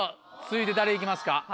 続いて誰行きますか？